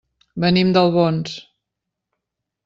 Venim d'Albons.